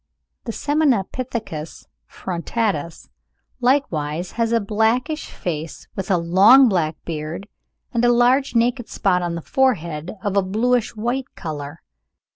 The Semnopithecus frontatus likewise has a blackish face with a long black beard, and a large naked spot on the forehead of a bluish white colour.